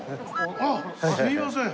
あっすみません。